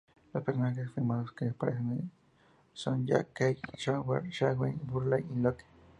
Los personajes confirmados que aparecerán son Jack, Kate, Sawyer, Sayid, Hurley y Locke.